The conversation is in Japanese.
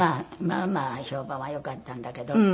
まあまあ評判はよかったんだけど。